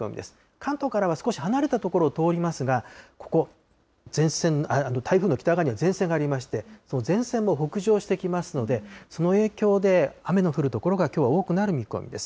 関東からは少し離れた所を通りますが、ここ、前線、台風の北側には前線がありまして、その前線も北上してきますので、その影響で雨の降る所がきょうは多くなる見込みです。